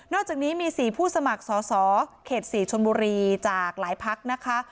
อกจากนี้มี๔ผู้สมัครสอสอเขต๔ชนบุรีจากหลายพักนะคะ